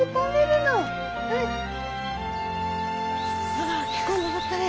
あ結構登ったね。